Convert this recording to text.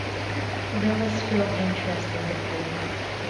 There was film interest in the play.